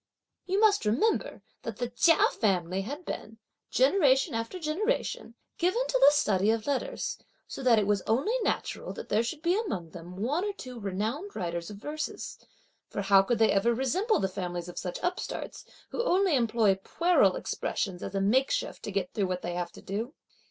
You must remember that the Chia family had been, generation after generation, given to the study of letters, so that it was only natural that there should be among them one or two renowned writers of verses; for how could they ever resemble the families of such upstarts, who only employ puerile expressions as a makeshift to get through what they have to do?